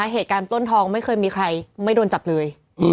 เหตุการณ์ต้นทองไม่เคยมีใครไม่โดนจับเลย